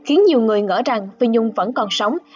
khiến nhiều người ngỡ rằng tuy nhung vẫn còn sống